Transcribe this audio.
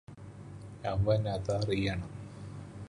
അവനതറിയണം